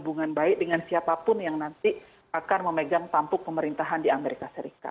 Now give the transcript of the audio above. hubungan baik dengan siapapun yang nanti akan memegang tampuk pemerintahan di amerika serikat